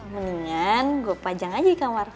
mendingan gue pajang aja di kamar